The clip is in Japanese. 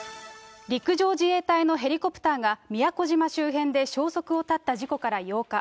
陸上自衛隊のヘリコプターが、宮古島周辺で消息を絶った事故から８日。